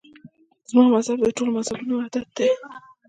زما مذهب د ټولو مذهبونو وحدت دی.